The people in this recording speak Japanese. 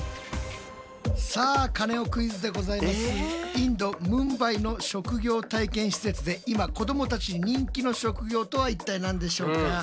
インド・ムンバイの職業体験施設で今子どもたちに人気の職業とは一体何でしょうか？